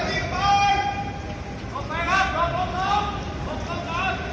อีกเพลง